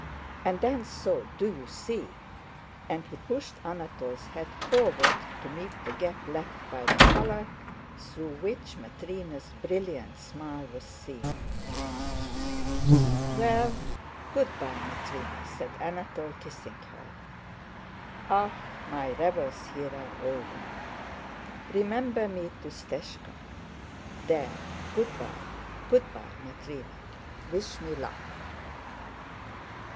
"And then so, do you see?" and he pushed Anatole's head forward to meet the gap left by the collar, through which Matrëna's brilliant smile was seen. "Well, good by, Matrëna," said Anatole, kissing her. "Ah, my revels here are over. Remember me to Stëshka. There, good by! Good by, Matrëna, wish me luck!"